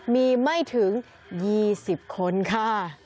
มีไม่ถึง๒๐คนค่ะ